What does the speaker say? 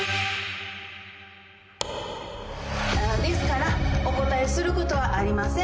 ですからお答えすることはありません。